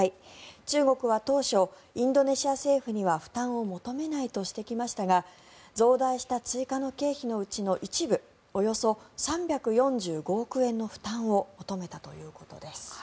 中国は当初インドネシア政府には負担を求めないとしてきましたが増大した追加の経費のうちの一部およそ３４５億円の負担を求めたということです。